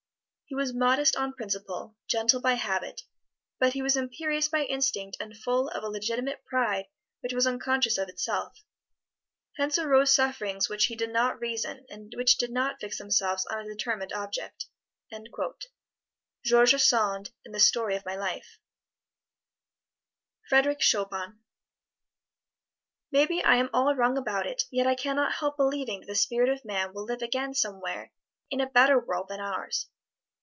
He was modest on principle, gentle by habit, but he was imperious by instinct and full of a legitimate pride which was unconscious of itself. Hence arose sufferings which he did not reason and which did not fix themselves on a determined object. George Sand in "The Story of My Life" FREDERIC CHOPIN Maybe I am all wrong about it, yet I can not help believing that the spirit of man will live again somewhere in a better world than ours.